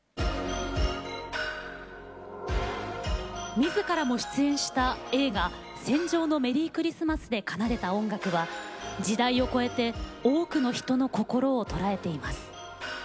みずからも出演した映画「戦場のメリークリスマス」で奏でた音楽は時代を超えて多くの人の心を捉えています。